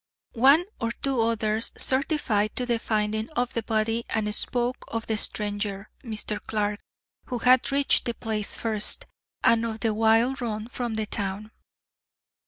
One or two others certified to the finding of the body and spoke of the stranger, Mr. Clark, who had reached the place first, and of the wild run from the town.